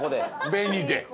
紅で。